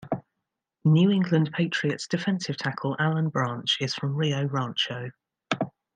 New England Patriots defensive tackle Alan Branch is from Rio Rancho.